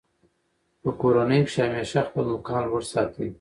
په کورنۍ کښي همېشه خپل مقام لوړ ساتئ!